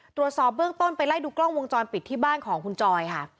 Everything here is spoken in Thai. ตรวจสอบเบื้องต้นไปไล่ดูกล้องวงจรปิดที่บ้านของคุณจอยค่ะ